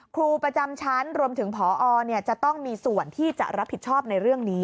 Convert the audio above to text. ครูประจำชั้นรวมถึงพอจะต้องมีส่วนที่จะรับผิดชอบในเรื่องนี้